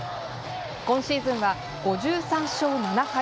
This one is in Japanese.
今シーズンは５３勝７敗